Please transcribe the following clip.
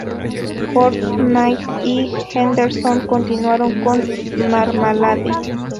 Ford, Knight y Henderson continuaron con Marmalade.